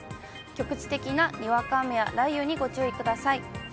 局地的なにわか雨や雷雨にご注意ください。